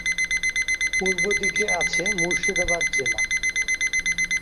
পূর্ব দিকে আছে মুর্শিদাবাদ জেলা।